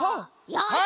よし！